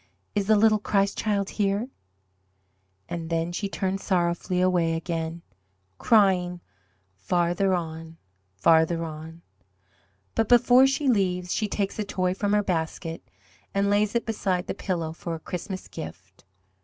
"Is the little Christ Child here?" And then she turns sorrowfully away again, crying: "Farther on, farther on!" But before she leaves she takes a toy from her basket and lays it beside the pillow for a Christmas gift.